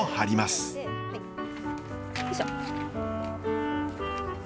よいしょ。